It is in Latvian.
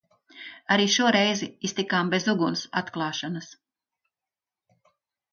Arī šo reizi iztikām bez uguns atklāšanas.